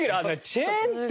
チェーン店？